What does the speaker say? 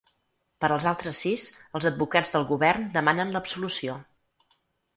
Per als altres sis els advocats del govern demanen l’absolució.